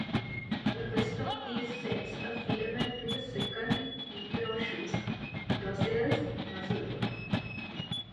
The first of these sends a filament to the second interosseus dorsalis muscle.